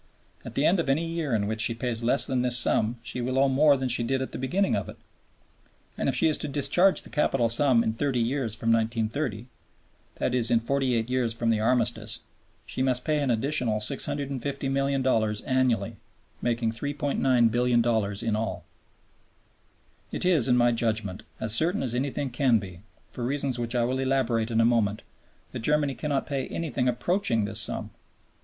At the end of any year in which she pays less than this sum she will owe more than she did at the beginning of it. And if she is to discharge the capital sum in thirty years from 1930, i.e. in forty eight years from the Armistice, she must pay an additional $650,000,000 annually, making $3,900,000,000 in all. It is, in my judgment, as certain as anything can be, for reasons which I will elaborate in a moment, that Germany cannot pay anything approaching this sum.